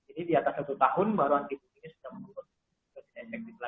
ini di atas satu tahun baru antibody ini sudah menurun efek